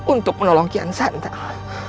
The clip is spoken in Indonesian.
untuk menolong kian santang